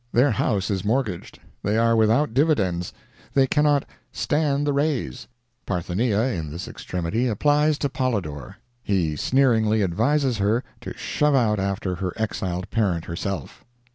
Their house is mortgaged—they are without dividends—they cannot "stand the raise." Parthenia, in this extremity, applies to Polydor. He sneeringly advises her to shove out after her exiled parent herself.